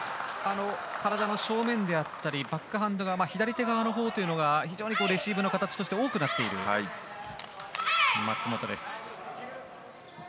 体の正面であったりバックハンドが左手側のほうというのが非常にレシーブの形として多くなっている松本。